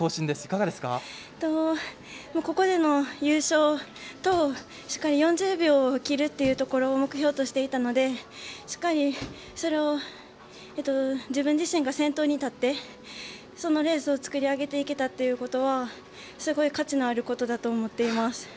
ここでの優勝としっかり、４０秒を切ることを目標としていたのでしっかり、それを自分自身が先頭に立ってそのレースを作り上げていけたっていうことはすごい価値のあることだと思っています。